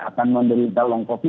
akan menderita long covid